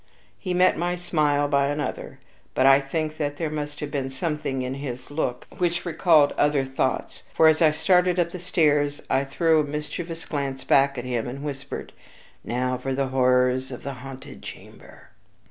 He met my smile by another; but I think that there must have been something in his look which recalled other thoughts, for as I started up the stairs I threw a mischievous glance back at him and whispered, "Now for the horrors of the haunted chamber."